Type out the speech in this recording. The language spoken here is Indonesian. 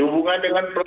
hubungan dengan kpk itu